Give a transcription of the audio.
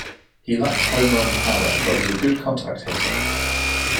He lacked home run power but was a good contact hitter.